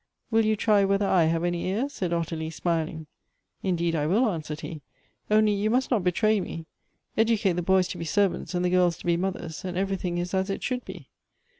"Will you try whether I have any ears?" said Ottilie, smiling. "Indeed I will," answered he, "only you must not betray me. Educate the boys to be servants, and the girls to be mothers, and everything is as it should be."